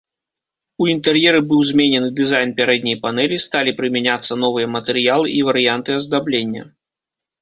У інтэр'еры быў зменены дызайн пярэдняй панэлі, сталі прымяняцца новыя матэрыялы і варыянты аздаблення.